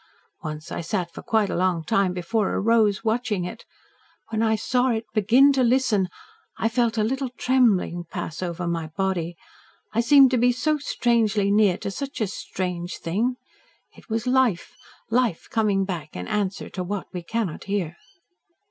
Once I sat for quite a long time before a rose, watching it. When I saw it BEGIN to listen, I felt a little trembling pass over my body. I seemed to be so strangely near to such a strange thing. It was Life Life coming back in answer to what we cannot hear."